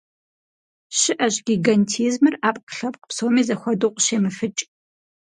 ЩыӀэщ гигантизмыр Ӏэпкълъэпкъ псоми зэхуэдэу къыщемыфыкӀ.